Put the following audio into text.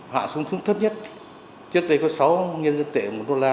hạ xuống xuống thấp nhất trước đây có sáu nhân dân tệ một đô la